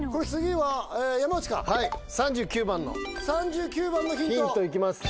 はい３９番の３９番のヒントヒントいきます